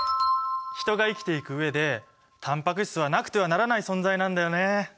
ヒトが生きていく上でタンパク質はなくてはならない存在なんだよね！